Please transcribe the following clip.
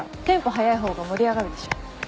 速い方が盛り上がるでしょ。